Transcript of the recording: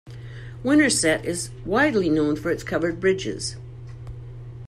Winterset is widely known for its covered bridges.